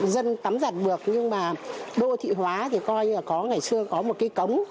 dân tắm giặt bược nhưng mà đô thị hóa thì coi như là ngày xưa có một cái cống